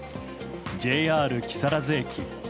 ＪＲ木更津駅。